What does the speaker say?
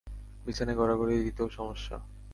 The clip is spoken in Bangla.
বিছানায় গড়াগড়ি দিতেও সমস্যা।